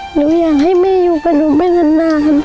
หนูอยากให้แม่อยู่กับหนูไปนาน